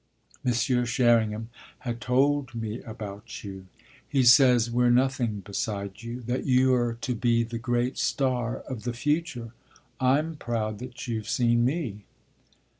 "Monsieur Sherringham has told me about you. He says we're nothing beside you that you're to be the great star of the future. I'm proud that you've seen me."